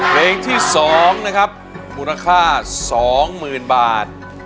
เพลงที่๒นะครับมูลค่า๒๐๐๐บาท